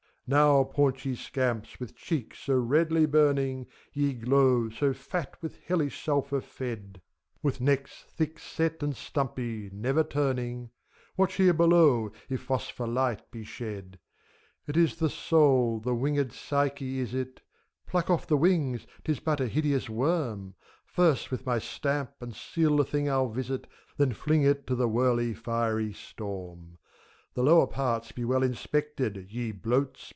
Now, paunchy scamps, with cheeks so redly burning ! Ye glow, so fat with hellish sulphur fed ; With necks thick set and stumpy, never turning, — Watch here below, if phosphor light be shed : It is the Soul, the winged Psyche is it; Pluck off the wings, 't is but a hideous worm : First with my stamp and seal the thing I'll visit. Then fling it to the whirling, fiery storm ! The lower parts be well inspected, Ye Bloats!